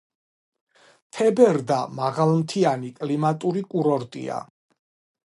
თებერდა მაღალმთიანი კლიმატური კურორტია.